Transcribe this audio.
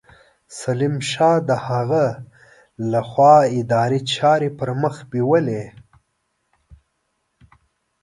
سلیم شاه د هغه له خوا اداري چارې پرمخ بېولې.